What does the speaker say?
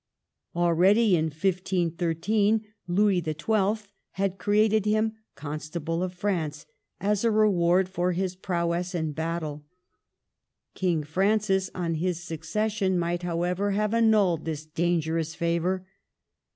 Already, in 15 13, Louis Xn. had created him Constable of France as a reward for his prowess in battle. King Francis, on his succession, might, however, have annulled this dangerous favor.